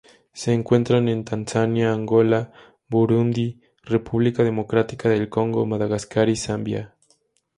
Se encuentran en Tanzania, Angola, Burundi, República Democrática del Congo, Madagascar y Zambia.